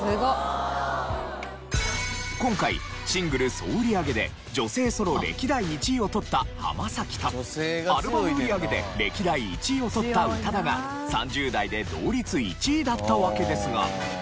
今回シングル総売上で女性ソロ歴代１位を取った浜崎とアルバム売上で歴代１位を取った宇多田が３０代で同率１位だったわけですが。